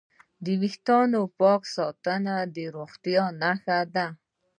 د وېښتانو پاک ساتنه د روغتیا نښه ده.